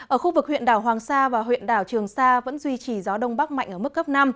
ở khu vực huyện đảo hoàng sa và huyện đảo trường sa vẫn duy trì gió đông bắc mạnh ở mức cấp năm